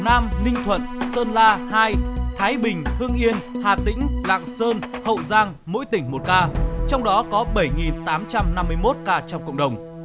nam ninh thuận sơn la hai thái bình hương yên hà tĩnh lạng sơn hậu giang mỗi tỉnh một ca trong đó có bảy tám trăm năm mươi một ca trong cộng đồng